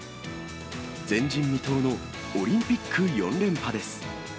前人未到のオリンピック４連覇です。